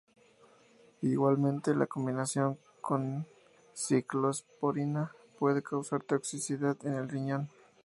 Igualmente, la combinación con ciclosporina puede causar toxicidad en el riñón.